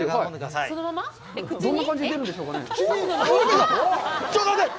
どんな感じで出るんでしょうかね。